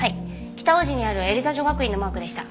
北大路にあるエリザ女学院のマークでした。